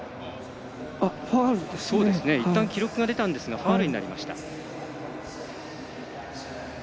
いったん記録が出たんですがファウルになりました。